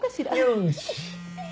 よし。